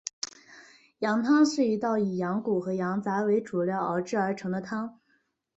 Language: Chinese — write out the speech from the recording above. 羊汤是一道以羊骨和羊杂为主料熬制而成的汤。